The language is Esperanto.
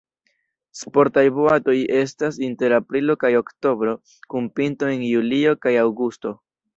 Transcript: Sportaj boatoj estas inter aprilo kaj oktobro kun pinto en julio kaj aŭgusto.